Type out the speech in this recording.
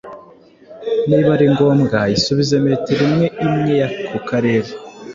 Niba ari ngombwa, isubize metero imwe imwe y’ako karere,